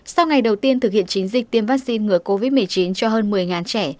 sau ngày đầu tiên thực hiện chiến dịch tiêm vaccine ngừa covid một mươi chín cho hơn một mươi trẻ